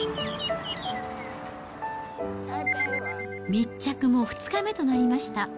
密着も２日目となりました。